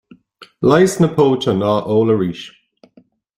Leigheas na póite ná ól arís.